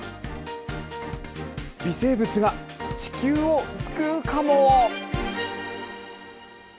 微生物が地球を救うかも？